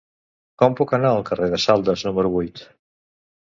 Com puc anar al carrer de Saldes número vuit?